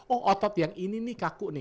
oh otot yang ini nih kaku nih